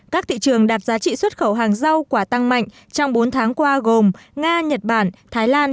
các thị trường đạt giá trị xuất khẩu hàng rau quả tăng mạnh trong bốn tháng qua gồm nga nhật bản thái lan